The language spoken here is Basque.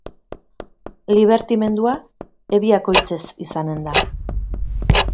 Libertimendua ebiakoitzez izanen da.